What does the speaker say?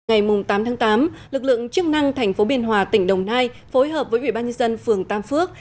ngày tám tháng tám lực lượng chức năng thành phố biên hòa tỉnh đồng nai phối hợp với ủy ban nhân dân phường tam phước